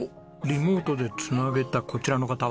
リモートで繋げたこちらの方は？